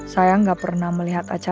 tangan dan keputusannya